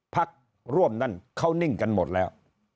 พักร่วมนั้นเขานิ่งกันหมดแล้ว